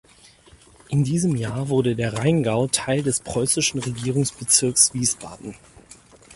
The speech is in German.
In diesem Jahr wurde der Rheingau Teil des preußischen Regierungsbezirks Wiesbaden.